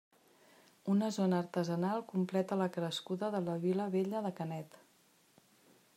Una Zona artesanal completa la crescuda de la vila vella de Canet.